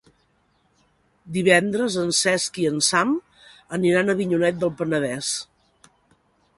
Divendres en Cesc i en Sam aniran a Avinyonet del Penedès.